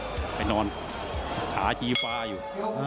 ไปนอนขาชีฟ้าอยู่